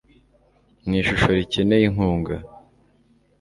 ni ishusho rikeneye inkunga